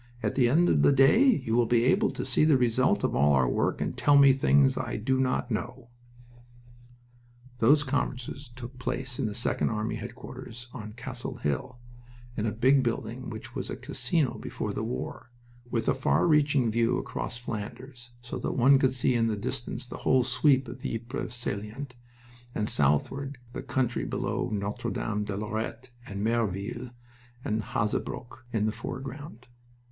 At the end of the day you will be able to see the result of all our work and tell me things I do not know." Those conferences took place in the Second Army headquarters on Cassel Hill, in a big building which was a casino before the war, with a far reaching view across Flanders, so that one could see in the distance the whole sweep of the Ypres salient, and southward the country below Notre Dame de Lorette, with Merville and Hazebrouck in the foreground.